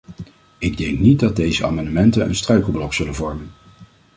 Ik denk niet dat deze amendementen een struikelblok zullen vormen.